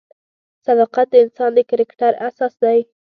صداقت د انسان د کرکټر اساس دی.